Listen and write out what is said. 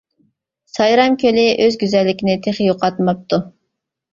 سايرام كۆلى ئۆز گۈزەللىكىنى تېخى يوقاتماپتۇ.